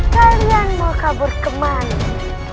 kalian mau kabur kemana